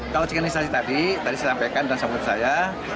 kalau cikenisasi tadi tadi saya sampaikan dan sebut saya